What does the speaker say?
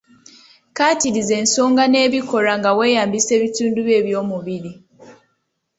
Kkaatiriza ensongazo n'ebikolwa nga weeyambisa ebitundubyo eby'omubiri.